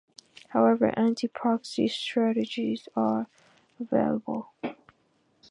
However, anti-proxy strategies are available.